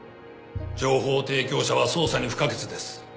情報提供者は捜査に不可欠です。